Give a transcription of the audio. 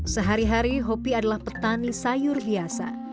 sehari hari hopi adalah petani sayur biasa